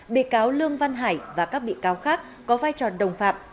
bị cáo lương văn hải và các bị cáo khác có vai trò đồng phạm